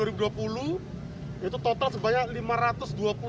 itu total sebanyak lima ratus dua puluh tiga penindakan